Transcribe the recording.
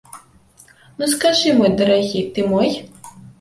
Ну, скажы, мой дарагі, ты мой?